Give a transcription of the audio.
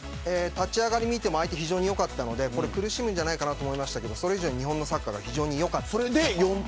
立ち上がりを見ても相手が非常に良かったので苦しむかなと思いましたけどそれ以上に日本のサッカーが良かった。